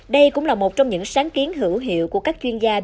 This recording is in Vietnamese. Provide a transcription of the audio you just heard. đây cũng là một trong những sáng kiến hữu hiệu của các chuyên gia